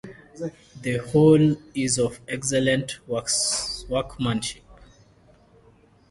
The whole is of excellent workmanship.